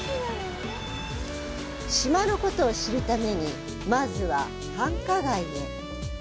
島のことを知るために、まずは繁華街へ。